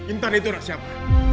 intan itu anak siapa